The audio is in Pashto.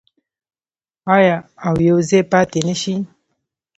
آیا او یوځای پاتې نشي؟